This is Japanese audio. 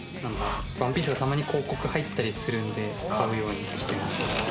『ワンピース』がたまに広告入ってたりするんで買うようにはしてます。